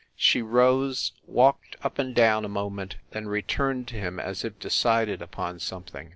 She rose, walked up and down a moment, then returned to him as if decided upon something.